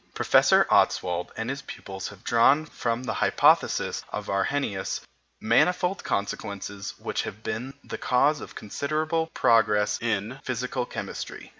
Professor Ostwald and his pupils have drawn from the hypothesis of Arrhenius manifold consequences which have been the cause of considerable progress in physical chemistry.